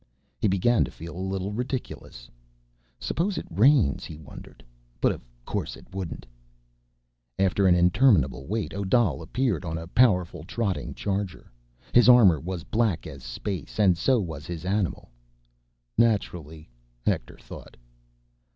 He began to feel a little ridiculous. Suppose it rains? he wondered. But of course it wouldn't. After an interminable wait, Odal appeared, on a powerful trotting charger. His armor was black as space, and so was his animal. Naturally, Hector thought.